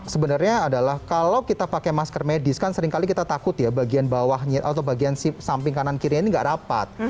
sebenarnya adalah kalau kita pakai masker medis kan seringkali kita takut ya bagian bawahnya atau bagian samping kanan kirinya ini nggak rapat